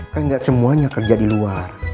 kan tidak semuanya kerja di luar